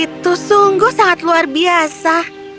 itu sungguh sangat luar biasa